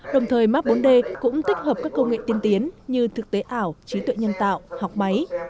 đồng thời map bốn d cũng tích hợp các công nghệ tiên tiến như thực tế ảo trí tuệ nhân tạo học máy